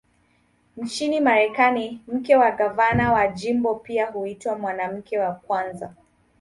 Nchini Marekani, mke wa gavana wa jimbo pia huitwa "Mwanamke wa Kwanza".